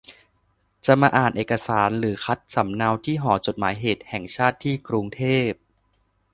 จะมาอ่านเอกสารหรือคัดสำเนาที่หอจดหมายเหตุแห่งชาติที่กรุงเทพ